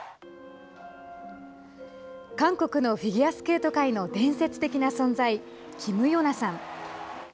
韓国のフィギュアスケート界の伝説的な存在、キム・ヨナさん。